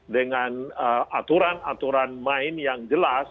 dengan aturan aturan main yang jelas